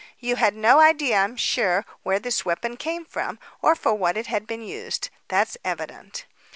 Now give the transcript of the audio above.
"You had no idea, I'm sure, where this weapon came from, or for what it had been used. That's evident."